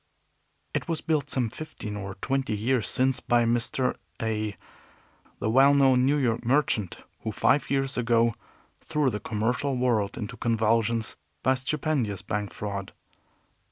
It was built some fifteen or twenty years since by Mr. A , the well known New York merchant, who five years ago threw the commercial world into convulsions by a stupendous bank fraud.